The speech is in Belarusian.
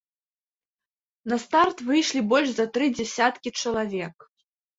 На старт выйшлі больш за тры дзясяткі чалавек.